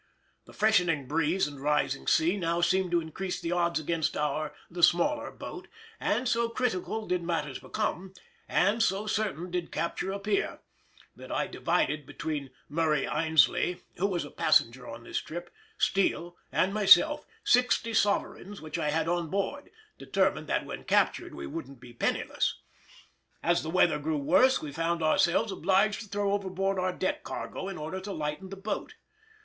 The freshening breeze and rising sea now seemed to increase the odds against our, the smaller, boat, and so critical did matters become, and so certain did capture appear, that I divided between Murray Aynsley—who was a passenger on this trip,—Steele, and myself sixty sovereigns which I had on board, determined that when captured we wouldn't be penniless. As the weather grew worse we found ourselves obliged to throw overboard our deck cargo in order to lighten the boat.